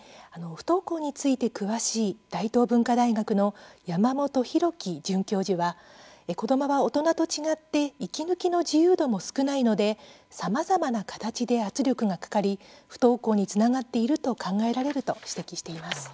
不登校について詳しい大東文化大学の山本宏樹准教授は子どもは大人と違って息抜きの自由度も少ないのでさまざまな形で圧力がかかり不登校につながっていると考えられる、と指摘しています。